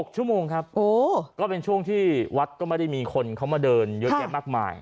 ๖ชั่วโมงครับก็เป็นช่วงที่วัดก็ไม่ได้มีคนเขามาเดินเยอะแยะมากมาย